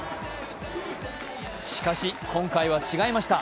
しかし、今回は違いました。